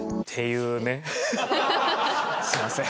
すいません。